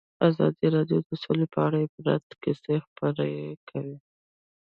ازادي راډیو د سوله په اړه د عبرت کیسې خبر کړي.